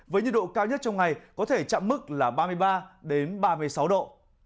với nhiệt độ cao nhất trong ngày có thể chạm mức là ba mươi ba ba mươi sáu độ